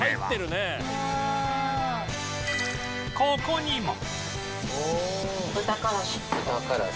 ここにも